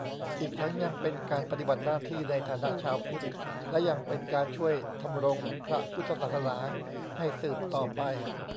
อีกทั้งยังเป็นการปฏิบัติหน้าที่ในฐานะชาวพุทธ และยังเป็นการช่วยธำรงพระพุทธศาสนาให้สืบต่อไป